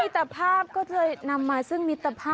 แต่ภาพก็เคยนำมาซึ่งมิตรภาพ